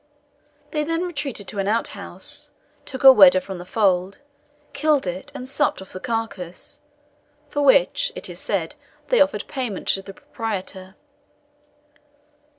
They then retreated to an out house, took a wedder from the fold, killed it, and supped off the carcass, for which (it is said) they offered payment to the proprietor.